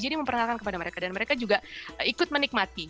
jadi memperkenalkan kepada mereka dan mereka juga ikut menikmati